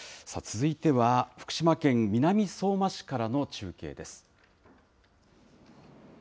続いては、福島県南相馬市からの中継です。